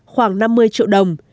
khoảng năm mươi triệu đồng